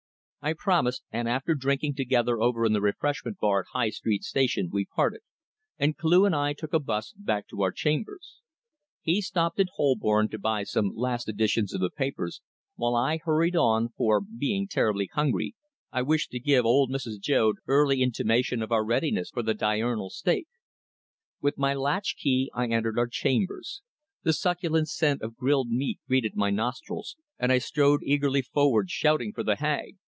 I promised, and after drinking together over in the refreshment bar at High Street Station we parted, and Cleugh and I took a bus back to our chambers. He stopped in Holborn to buy some last editions of the papers, while I hurried on, for, being terribly hungry, I wished to give old Mrs. Joad early intimation of our readiness for the diurnal steak. With my latch key I entered our chambers. The succulent scent of grilled meat greeted my nostrils, and I strode eagerly forward shouting for the Hag.